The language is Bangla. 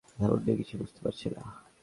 মাথামুন্ডু কিছুই বুঝতে পারছি না!